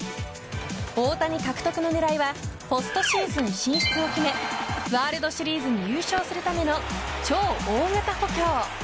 大谷獲得の狙いはポストシーズン進出を決めワールドシリーズに優勝するための超大型補強。